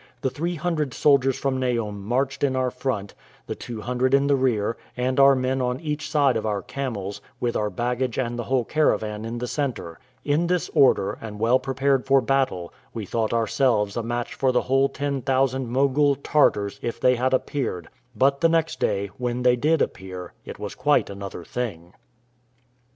The three hundred soldiers from Naum marched in our front, the two hundred in our rear, and our men on each side of our camels, with our baggage and the whole caravan in the centre; in this order, and well prepared for battle, we thought ourselves a match for the whole ten thousand Mogul Tartars, if they had appeared; but the next day, when they did appear, it was quite another thing.